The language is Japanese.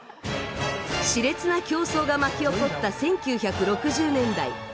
熾烈な競争が巻き起こった１９６０年代。